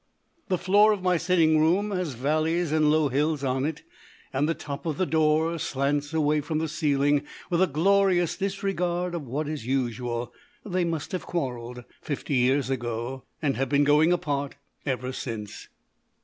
The floor of my sitting room has valleys and low hills on it, and the top of the door slants away from the ceiling with a glorious disregard of what is usual. They must have quarrelled fifty years ago and have been going apart ever since.